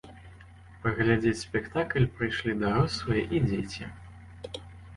Паглядзець спектакль прыйшлі дарослыя і дзеці.